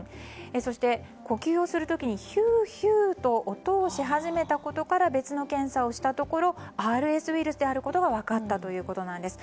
そして、呼吸をする時にヒューヒューと音がし始めたことから別の検査をしたところＲＳウイルスであることが分かったということなんです。